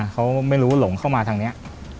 เขาไม่รู้หลงเข้ามาทางนี้